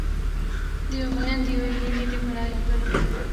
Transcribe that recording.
د یو میین یوې میینې د ګناه یادونه